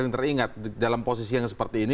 yang teringat dalam posisi yang seperti ini